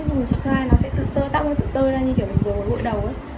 cho ra nó sẽ tự tơ tóc nó sẽ tự tơ ra như kiểu mình vừa gội đầu ấy